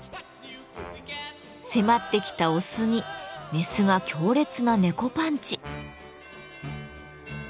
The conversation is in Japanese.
迫ってきたオスにメスが強烈な猫パンチ！